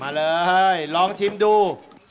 มาเลยลองชิมดู